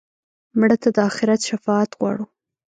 مړه ته د آخرت شفاعت غواړو